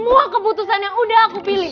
semua keputusan yang udah aku pilih